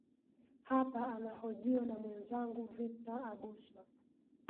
hapa anahojiwa na mwenzangu victor abuso